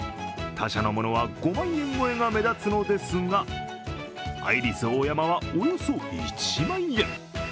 他社のものは５万円超えが目立つのですがアイリスオーヤマはおよそ１万円。